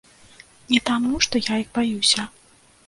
Не таму, што я іх баюся.